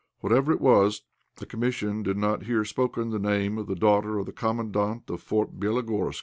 Whatever it was, the Commission did not hear spoken the name of the daughter of the Commandant of Fort Bélogorsk.